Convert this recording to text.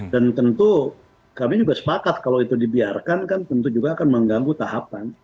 dan tentu kami juga sepakat kalau itu dibiarkan kan tentu juga akan mengganggu tahapan